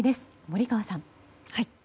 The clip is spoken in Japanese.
森川さん。